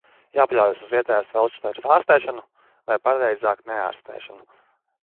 Jāpaļaujas uz vietējās feldšeres ārstēšanu vai pareizāk neārstēšanu.